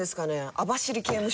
網走刑務所。